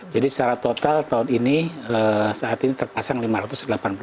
jadi secara total tahun ini saat ini terpasang lima ratus delapan puluh tujuh mw